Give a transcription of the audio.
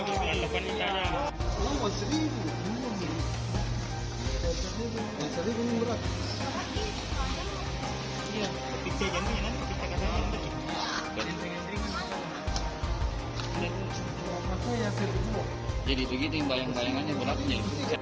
mulai menanggung tanggalnya